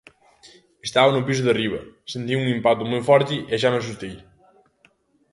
Estaba no piso de arriba, sentín un impacto moi forte e xa me asustei.